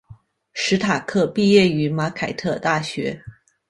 史塔克毕业于马凯特大学。